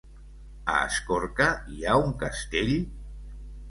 A Escorca hi ha un castell?